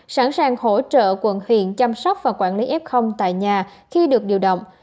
sẵn sàng hỗ trợ quận huyện chăm sóc và quản lý f tại nhà khi được điều động